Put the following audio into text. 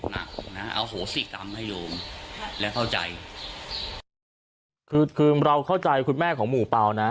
นะอโหสิกรรมให้โยมและเข้าใจคือคือเราเข้าใจคุณแม่ของหมู่เปล่านะ